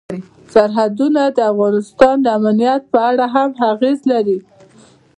سرحدونه د افغانستان د امنیت په اړه هم اغېز لري.